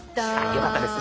よかったです